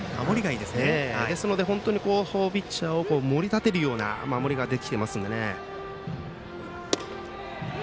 ですので、ピッチャーを盛り立てるような守りができていますので。